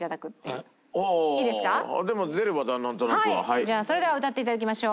じゃあそれでは歌って頂きましょう。